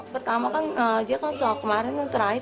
pertama kan dia kemarin terakhir